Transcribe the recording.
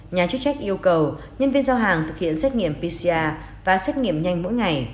nhà chức trách yêu cầu nhân viên giao hàng thực hiện xét nghiệm pcr và xét nghiệm nhanh mỗi ngày